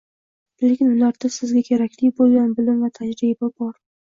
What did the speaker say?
Lekin ularda sizga kerakli bo’lgan bilim va tajriba bor